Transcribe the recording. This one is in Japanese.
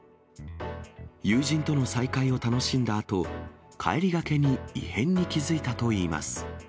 友人との再会を楽しんだあと、帰りがけに異変に気付いたといいます。